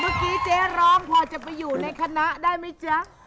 เมื่อกี้เจ๊ร้องพอจะไปอยู่ในคณะได้ไหมจ๊ะ